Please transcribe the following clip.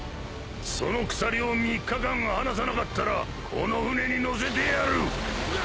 その鎖を３日間離さなかったらこの船に乗せてやる！